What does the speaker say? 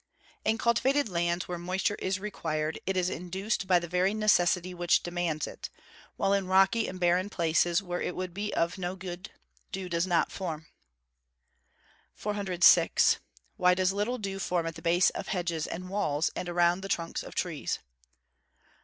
_ In cultivated lands, where moisture is required, it is induced by the very necessity which demands it; while in rocky and barren places, where it would be of no good, dew does not form. 406. _Why does little dew form at the base of hedges and walls, and around the trunks of trees?